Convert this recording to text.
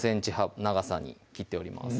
５ｃｍ長さに切っております